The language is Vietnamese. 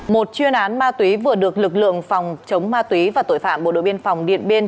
một chuyên án ma túy vừa được lực lượng phòng chống ma túy và tội phạm bộ đội biên phòng điện biên